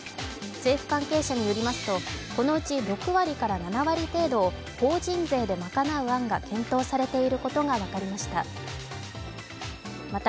政府関係者によりますとこのうち６割から７割を法人税で賄う案が検討されていることが分かりました。